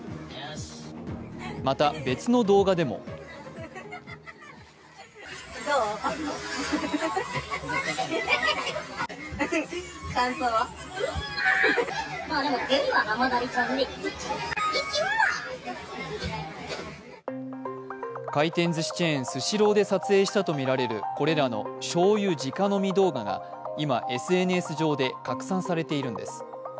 また、別の動画でも回転ずしチェーン店スシローで撮影されたとみられるこれらのしょうゆ直飲み動画が今、ＳＮＳ上で拡散されているんです。